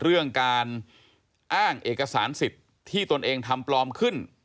เรื่องการอ้างเอกสารสิทธิ์ที่ตนเองทำปลอมขึ้น